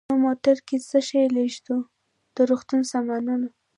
نو په موټرونو کې څه شی لېږدوو؟ د روغتون سامانونه.